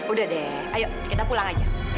udah deh ayo kita pulang aja